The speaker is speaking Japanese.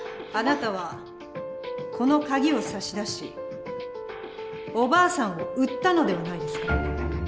あなたはこのカギを差し出しおばあさんを売ったのではないですか？